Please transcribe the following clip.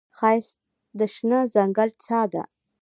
ښایست د شنه ځنګل ساه ده